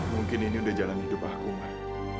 mungkin ini udah jalan hidup aku